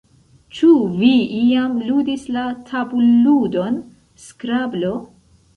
Ĉu vi iam ludis la tabulludon Skrablo?